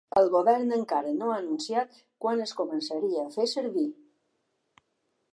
El govern encara no ha anunciat quan es començaria a fer servir.